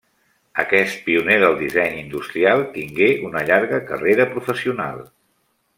Aquest pioner del disseny industrial tingué una llarga carrera professional.